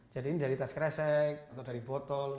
jadi ini dari tas keresek atau dari botol